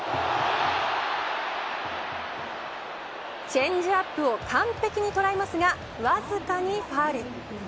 チェンジアップを完璧に捉えますがわずかにファウル。